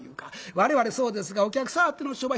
我々そうですがお客さんあっての商売。